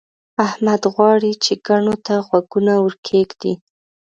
احمد غواړي چې کڼو ته غوږونه ورکېږدي.